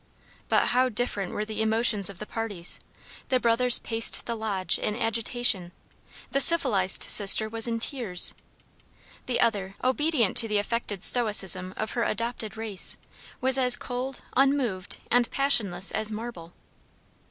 But how different were the emotions of the parties! The brothers paced the lodge in agitation. The civilized sister was in tears. The other, obedient to the affected stoicism of her adopted race, was as cold, unmoved, and passionless as marble.